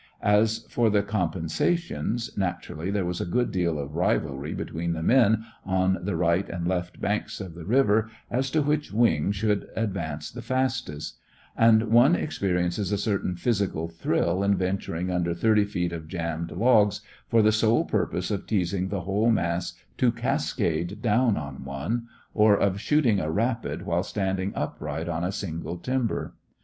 As for the compensations, naturally there was a good deal of rivalry between the men on the right and left banks of the river as to which "wing" should advance the fastest; and one experiences a certain physical thrill in venturing under thirty feet of jammed logs for the sole purpose of teasing the whole mass to cascade down on one, or of shooting a rapid while standing upright on a single timber.